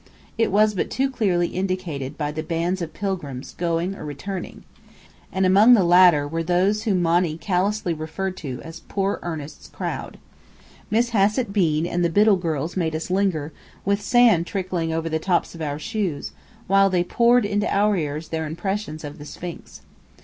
It was but too clearly indicated by the bands of pilgrims, going or returning. And among the latter were those whom Monny callously referred to as "poor Lord Ernest's crowd." Miss Hassett Bean and the Biddell girls made us linger, with sand trickling over the tops of our shoes, while they poured into our ears their impressions of the Sphinx.